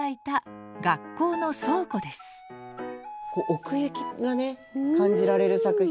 奥行きがね感じられる作品。